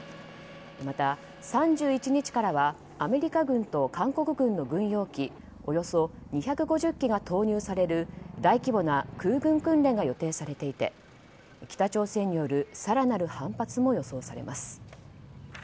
また、３１日からはアメリカ軍と韓国軍の軍用機およそ２５０機が投入される大規模な空軍訓練が予定されていて北朝鮮による更なる反発も予想されます。